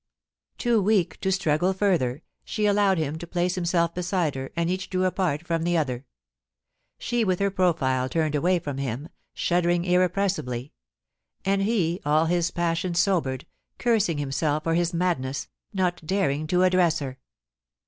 Too weak to struggle further, she allowed him to place himself beside her, and each drew apart from the other : she with her profile turned away from him, shuddering irrepress ibly ; and he, all his passion sobered, cursing himself for his madness, not daring to address her.